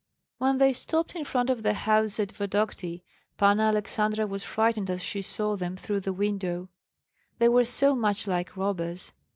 When they stopped in front of the house at Vodokty, Panna Aleksandra was frightened as she saw them through the window, they were so much like robbers.